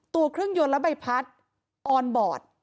ตัวเครื่องยนต์และใบพัดออนบอร์ด